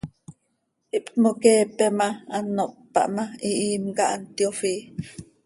Ihptmoqueepe ma, ano hptpah ma, hihiim cah hant yofii.